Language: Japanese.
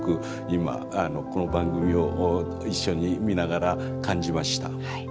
今この番組を一緒に見ながら感じました。